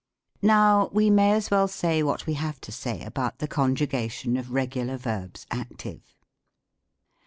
Now we may as well say what we have to say about the conjugation of regular verbs active.